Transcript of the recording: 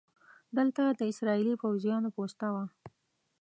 دلته د اسرائیلي پوځیانو پوسته وه.